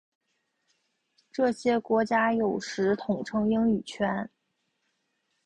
这些国家有时统称英语圈。